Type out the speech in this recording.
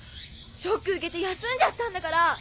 ショック受けて休んじゃったんだから！